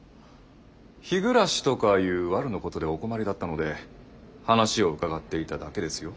日暮とかいうワルのことでお困りだったので話を伺っていただけですよ。